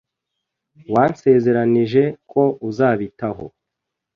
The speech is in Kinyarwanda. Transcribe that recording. Wansezeranije ko uzabitaho.